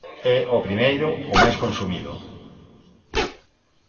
E o primeiro, o máis consumido...